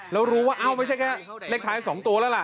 แล้วรู้ว่าเอ้าไม่ใช่แค่เลขท้าย๒ตัวแล้วล่ะ